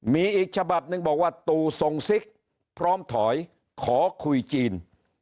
มีอีกฉบับหนึ่งบอกว่าตู่ทรงซิกพร้อมถอยขอคุยจีน